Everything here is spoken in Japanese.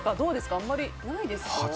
あまりないですか。